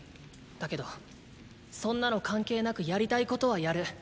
だけどそんなの関係なくやりたいことはやる。